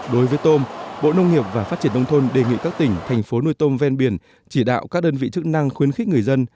đối với tôm bộ nông nghiệp và phát triển nông thôn đề nghị các tỉnh thành phố nuôi tôm ven biển chỉ đạo các đơn vị chức năng khuyến khích người dân